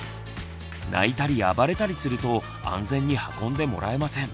泣いたり暴れたりすると安全に運んでもらえません。